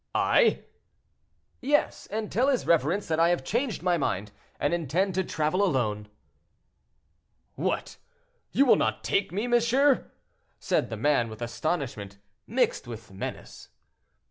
"—"I?" "Yes; and tell his reverence that I have changed my mind, and intend to travel alone." "What! you will not take me, monsieur?" said the man, with astonishment, mixed with menace.